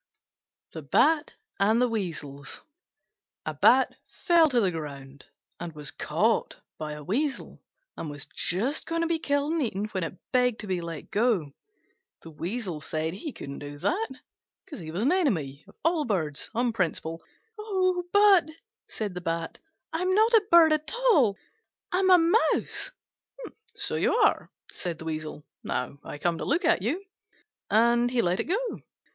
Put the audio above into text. THE BAT AND THE WEASELS A Bat fell to the ground and was caught by a Weasel, and was just going to be killed and eaten when it begged to be let go. The Weasel said he couldn't do that because he was an enemy of all birds on principle. "Oh, but," said the Bat, "I'm not a bird at all: I'm a mouse." "So you are," said the Weasel, "now I come to look at you"; and he let it go.